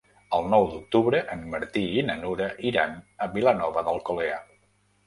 El nou d'octubre en Martí i na Nura iran a Vilanova d'Alcolea.